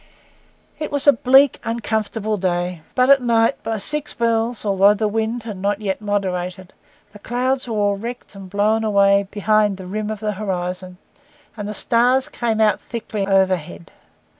Is was a bleak, uncomfortable day; but at night, by six bells, although the wind had not yet moderated, the clouds were all wrecked and blown away behind the rim of the horizon, and the stars came out thickly overhead.